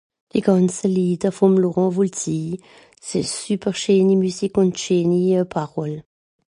die gànze Lìde vòm Laurent Voulzi s'esch sùper scheeni Musique ùn scheeni euh Paroles